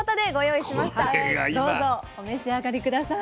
どうぞお召し上がり下さい。